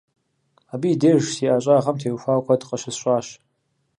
Абы и деж си ӀэщӀагъэм теухуауэ куэд къыщысщӀащ.